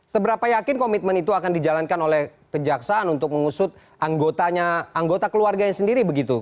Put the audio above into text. seberapa yakin komitmen itu akan dijalankan oleh kejaksaan untuk mengusut anggotanya anggota keluarganya sendiri begitu